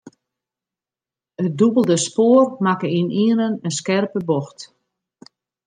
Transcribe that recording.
It dûbelde spoar makke ynienen in skerpe bocht.